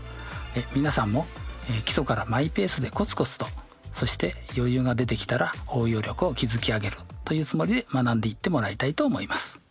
皆さんも基礎からマイペースでコツコツとそして余裕が出てきたら応用力を築き上げるというつもりで学んでいってもらいたいと思います。